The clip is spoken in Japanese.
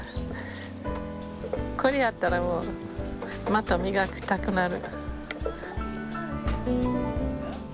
これあったらもうまた磨きたくなる。